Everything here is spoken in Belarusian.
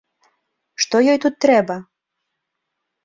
Што ёй тут трэба?